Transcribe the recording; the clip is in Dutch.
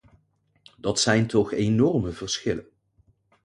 Dat zijn toch enorme verschillen?